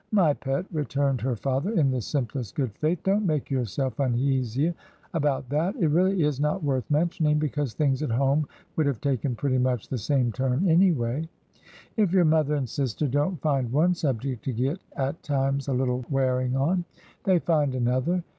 'My pet,' returned her father, in the simplest good faith, ' don't make yourself uneasy about that. It really is not worth mentioning, because things at home would have taken pretty much the same turn, anyway. If your mother and sister don't find one subject to get at times a little wearing on, they find another.